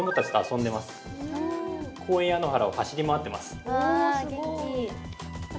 公園や野原を走り回ってます。